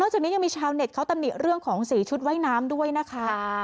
จากนี้ยังมีชาวเน็ตเขาตำหนิเรื่องของสีชุดว่ายน้ำด้วยนะคะ